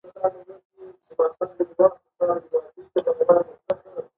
سیمه خپل ښکلا له لاسه ورکوي.